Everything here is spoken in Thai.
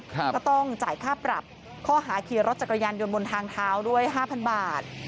ก็ต้องจ่ายค่าปรับข้อหาขี่รถจักรยานยนต์บนทางเท้าด้วย๕๐๐บาท